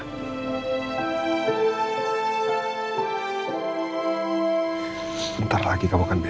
kemudian kamu bisa kembali ke kecantikan